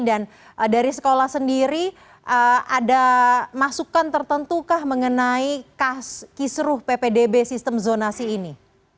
dan dari sekolah sendiri ada masukan tertentu kah mengenai kisruh ppdb sistem zonasi ini